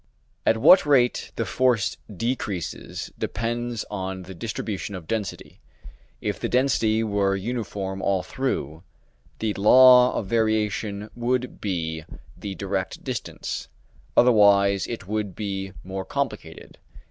At what rate the force decreases depends on the distribution of density; if the density were uniform all through, the law of variation would be the direct distance, otherwise it would be more complicated.